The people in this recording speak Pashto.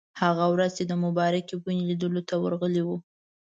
هغه ورځ چې د مبارکې ونې لیدلو ته ورغلي وو.